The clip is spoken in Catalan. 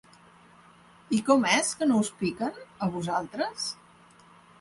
I com és que no us piquen, a vosaltres?